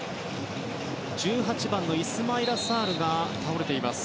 １８番のイスマイラ・サールが倒れています。